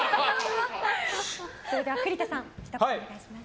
栗田さん、ひと言お願いします。